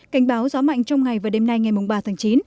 cảnh báo gió mạnh trong ngày và đêm nay ngày ba tháng chín